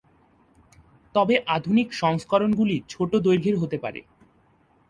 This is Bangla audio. তবে আধুনিক সংস্করণগুলি ছোট দৈর্ঘের হতে পারে।